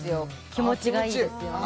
気持ちがいいですよね